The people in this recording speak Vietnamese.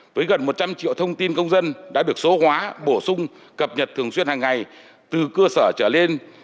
với gần một trăm linh triệu thông tin công dân đã được số hóa bổ sung cập nhật thường xuyên hàng ngày từ cơ sở trở lên